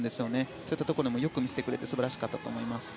そういったところもよく見せてくれて素晴らしかったと思います。